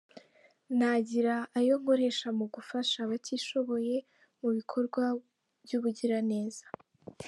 Nagira ayo nkoresha mu gufasha abatishoboye, mu bikorwa by’ubugiraneza.